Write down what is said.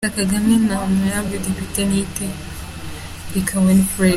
Perezida Kagame hamwe na Hon Depite Niyitegeka Winfred.